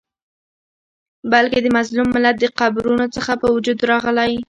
بلکي د مظلوم ملت د قبرونو څخه په وجود راغلی